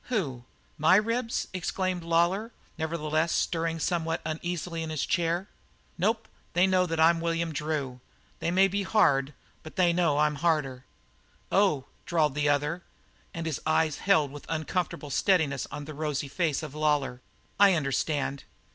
"Who? My ribs?" exclaimed Lawlor, nevertheless stirring somewhat uneasily in his chair. "Nope, they know that I'm William Drew. They may be hard, but they know I'm harder." "Oh," drawled the other, and his eyes held with uncomfortable steadiness on the rosy face of Lawlor. "I understand."